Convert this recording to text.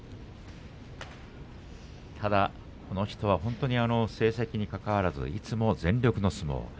この人は成績にかかわらずいつも全力の相撲です。